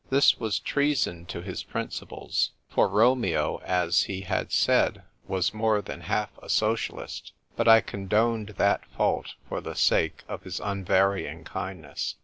This was treason to his principles ; for Romeo, as he had said, was more than half a socialist ; but I condoned that fault for the sake of his unvarying kindness.